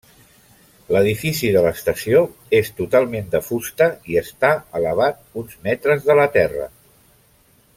L'edifici de l'estació és totalment de fusta i està elevat uns metres de la terra.